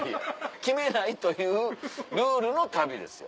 決めないというルールの旅ですよ